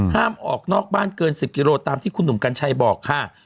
ห้ามออกนอกบ้านเกิน๑๐กิโลตามที่คุณหนุ่มกัญชัยบอกค่ะ